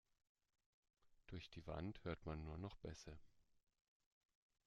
Durch die Wand hört man nur noch Bässe.